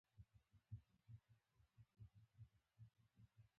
فلم د ظلم کیسه کوي